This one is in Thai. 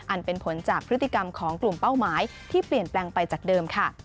อันเป็นผลจากพฤติกรรมของกลุ่มเป้าหมายที่เปลี่ยนแปลงไปจากเดิมค่ะ